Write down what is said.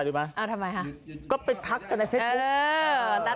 อะทำไมฮะก็ไปทักกันใน